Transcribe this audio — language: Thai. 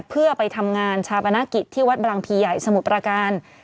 เพื่อไปทำงานชาปนกิจที่วัดบรังพีใหญ่สมุทรประการ